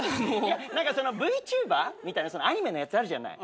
何かＶｔｕｂｅｒみたいなアニメのやつあるじゃない。